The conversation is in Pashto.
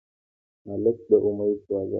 هلک د امید دروازه ده.